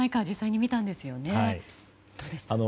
実際に見たんですよね。